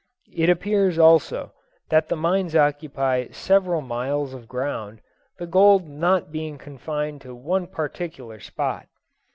It appears, also, that the mines occupy several miles of ground, the gold not being confined to one particular spot.